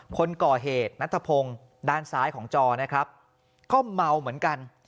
คนก่อเหตุนัทพงศ์ด้านซ้ายของจอนะครับก็เมาเหมือนกัน